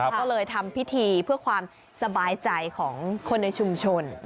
ก็เลยทำพิธีเพื่อความสบายใจของคนในชุมชน